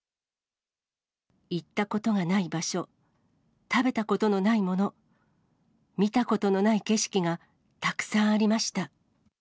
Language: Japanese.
行ったことがない場所、食べたことのないもの、見たことのない景色がたくさんありました。